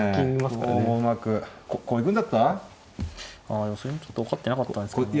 あでもそれもちょっと分かってなかったんですけど。